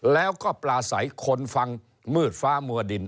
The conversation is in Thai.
แล้วก็ปลาใสคนฟังมืดฟ้ามัวดิน